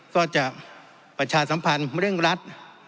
ก็จะประชาสัมพันธ์เร่งรัด